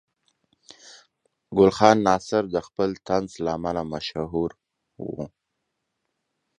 ګل خان ناصر د خپل طنز له امله مشهور و.